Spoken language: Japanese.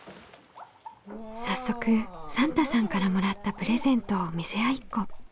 早速サンタさんからもらったプレゼントを見せ合いっこ。